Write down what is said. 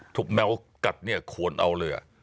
แมวกัดเนี่ยควรเอาเลย